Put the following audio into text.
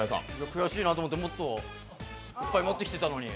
悔しいなと思って、もっといっぱい持ってきたのに。